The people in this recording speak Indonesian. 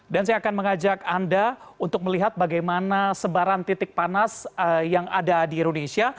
dan saya akan mengajak anda untuk melihat bagaimana sebaran titik panas yang ada di indonesia